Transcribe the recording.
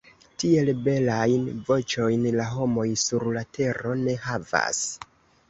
Tiel belajn voĉojn la homoj sur la tero ne havas.